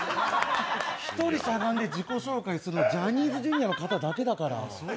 １人、しゃがんで自己紹介するのジャニーズＪｒ．の人だけだから。